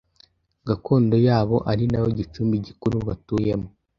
Gakondo yabo ari nayo gicumbi gikuru batuyemo,